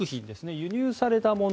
輸入されたもの